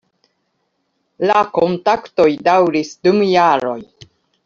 La kontaktoj daŭris dum jaroj.